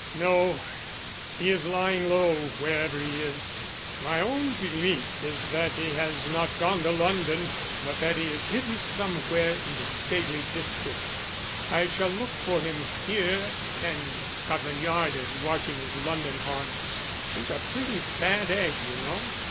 "No, he is lying low, wherever he is. My own belief is that he has not gone to London, but that he is hidden somewhere in the Staveley district. I shall look for him here, and Scotland Yard is watching his London haunts. He's a pretty bad egg, you know.